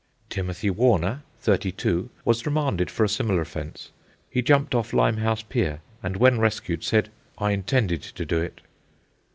Timothy Warner, thirty two, was remanded for a similar offence. He jumped off Limehouse Pier, and when rescued, said, "I intended to do it."